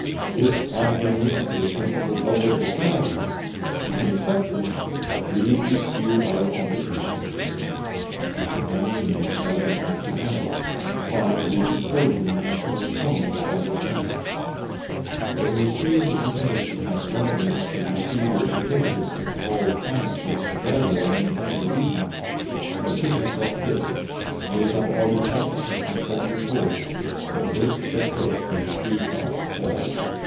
If, on again looking to the Principles of the Society, you can accept them, we repeat to you our invitation." I sent my name in as an active member, and find it is recorded in the National Reformer of August 9th. Having received an intimation that Londoners could receive their certificates at the Hall of Science from Mr. Bradlaugh on any Sunday evening, I betook myself thither, and it was on August 2, 1874, that I first set foot in a Freethought hall.